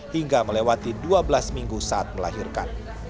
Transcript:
hingga melewati dua belas minggu saat melahirkan